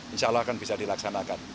insya allah akan bisa dilaksanakan